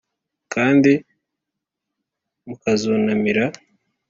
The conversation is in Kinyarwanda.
kandi mukazunamira,